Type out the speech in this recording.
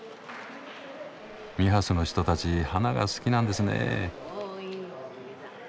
ミハスの人たち花が好きなんですね。